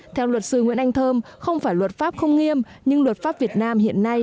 theo luật sư nguyễn anh thơm không phải luật pháp không nghiêm nhưng luật pháp việt nam hiện nay